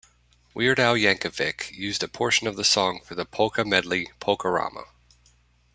"Weird Al" Yankovic used a portion of the song for the polka medley "Polkarama!